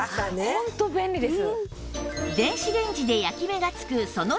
ホント便利です。